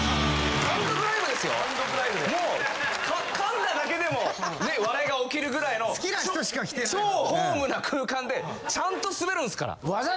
噛んだだけでも笑いが起きるぐらいの超ホームな空間でちゃんとスベるんですから。